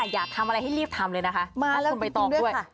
อยากทำอะไรให้รีบทำเลยนะคะมาคุณใบตองด้วย